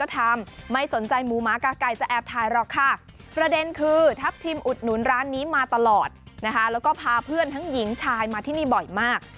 ทั้งหญิงชายมาที่นี่บ่อยมาก